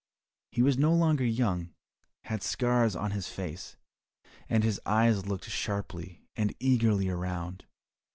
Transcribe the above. He was no longer young, had scars on his face, and his eyes looked sharply and eagerly around.